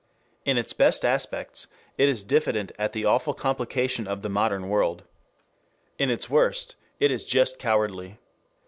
In its best aspects it is diffident at the awful complication of the modern world. In its worst, it is just cowardly.